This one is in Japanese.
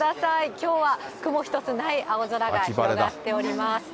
きょうは雲一つない青空が広がっています。